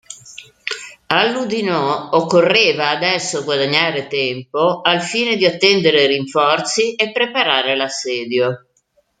All'Oudinot occorreva, adesso, guadagnare tempo, al fine di attendere rinforzi e preparare l'assedio.